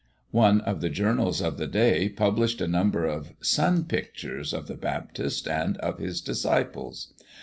One of the journals of the day published a number of sun pictures of the Baptist and of his disciples.